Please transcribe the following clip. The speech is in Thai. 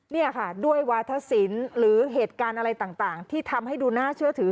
นี่ค่ะด้วยวาธศิลป์หรือเหตุการณ์อะไรต่างที่ทำให้ดูน่าเชื่อถือ